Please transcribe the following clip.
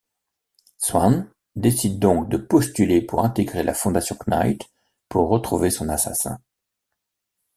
Sawn décide donc de postuler pour intégrer la Fondation Knight pour retrouver son assassin.